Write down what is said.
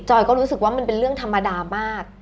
อยก็รู้สึกว่ามันเป็นเรื่องธรรมดามาก